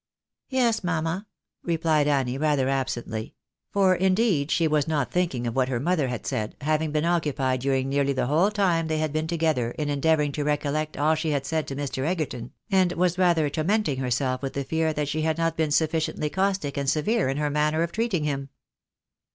" Yes, mamma," replied Annie, rather absently ; for indeed she was not much thinking of what her mother had said, having been occupied during nearly the whole time they had been together in endeavouring to recollect all she had said to Mr. Egerton, and was rather tormenting herself with the fear that she had not been suf ficiently caustic and severe in her manner of treating him.